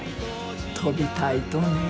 飛びたいとね。